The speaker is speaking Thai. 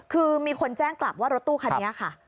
คือมีคนแจ้งกลับว่ารถตู้คันนี้ค่ะ